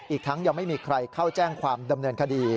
อีกทั้งยังไม่มีใครเข้าแจ้งความดำเนินคดี